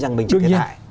rằng mình chứng minh hại